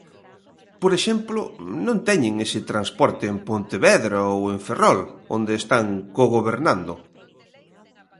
Por exemplo, non teñen ese transporte en Pontevedra ou en Ferrol, onde están cogobernando.